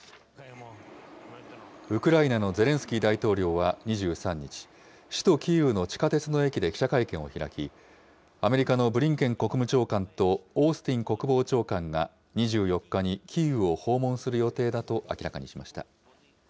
ウクライナのゼレンスキー大統領は２３日、首都キーウの地下鉄の駅で記者会見を開き、アメリカのブリンケン国務長官と、オースティン国防長官が２４日にキーウを訪問する予定だと明らかにしました。